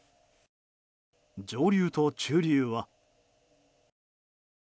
上流と中流は。